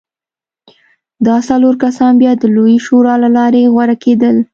دا څلور کسان بیا د لویې شورا له لارې غوره کېدل.